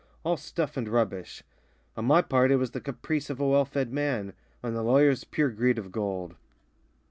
all stuff and rubbish. On my part, it was the caprice of a well fed man; on the lawyer's pure greed of gold."